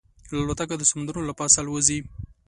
الوتکه د سمندرونو له پاسه الوزي.